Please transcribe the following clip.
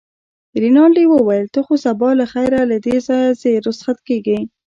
رینالډي وویل: ته خو سبا له خیره له دې ځایه ځې، رخصت کېږې.